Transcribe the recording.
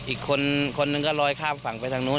อีกคนนึงก็ลอยข้ามฝั่งไปทางนู้น